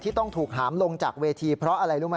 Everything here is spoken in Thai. ต้องถูกหามลงจากเวทีเพราะอะไรรู้ไหม